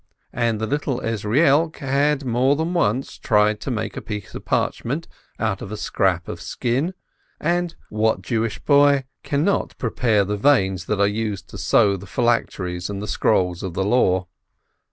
And the little Ezrielk had more than once tried to make a piece of parchment out of a scrap of skin; and what Jewish boy cannot prepare the veins that are used to sew the phylacteries and the scrolls of the Law?